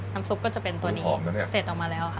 ซุปก็จะเป็นตัวนี้เสร็จออกมาแล้วค่ะ